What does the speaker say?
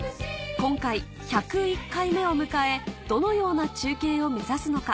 今回１０１回目を迎えどのような中継を目指すのか？